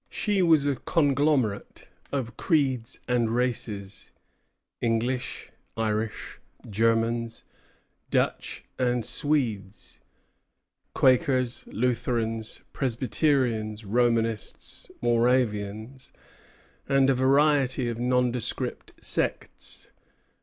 She was a conglomerate of creeds and races, English, Irish, Germans, Dutch, and Swedes; Quakers, Lutherans, Presbyterians, Romanists, Moravians, and a variety of nondescript sects.